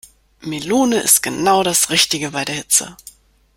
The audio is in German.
Melone ist genau das Richtige bei der Hitze.